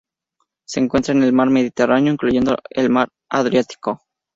Se encuentra en el Mar Mediterráneo, incluyendo el Mar Adriático.